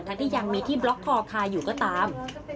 ที่ยังมีที่บล็อกคอคาอยู่ก็ตาม